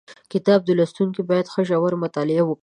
د کتاب لوستونکي باید ښه ژوره مطالعه وکړي